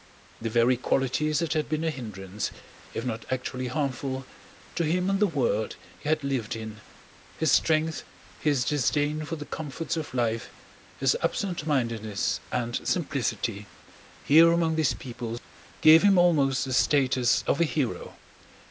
The very qualities that had been a hindrance, if not actually harmful, to him in the world he had lived in—his strength, his disdain for the comforts of life, his absent mindedness and simplicity—here among these people gave him almost the status of a hero.